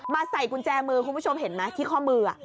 ใส่กุญแจมือคุณผู้ชมเห็นไหมที่ข้อมือ